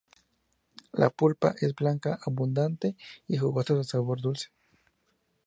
La pulpa es blanca, abundante y jugosa, de sabor dulce.